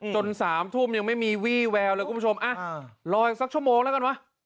๓ทุ่มยังไม่มีวี่แววเลยคุณผู้ชมรออีกสักชั่วโมงแล้วกันวะ